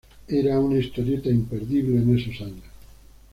Era una historieta imperdible en esos años.